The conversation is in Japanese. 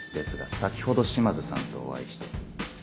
先ほど島津さんとお会いして。